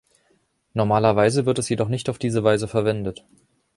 Normalerweise wird es jedoch nicht auf diese Weise verwendet.